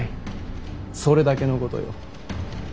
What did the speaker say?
それだけのことよ。